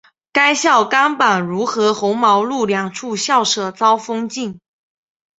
该校甘榜汝和红毛路两处校舍遭封禁。